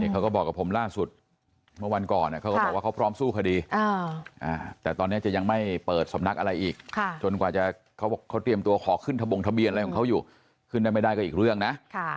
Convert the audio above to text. เขาก็บอกกับผมล่าสุดเมื่อวันก่อนเขาก็บอกว่าเขาพร้อมสู้คดีแต่ตอนนี้จะยังไม่เปิดสำนักอะไรอีกจนกว่าจะเขาเตรียมตัวขอขึ้นทะบงทะเบียนอะไรของเขาอยู่ขึ้นได้ไม่ได้ก็อีกเรื่องนะ